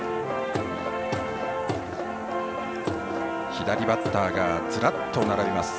左バッターがずらっと並びます。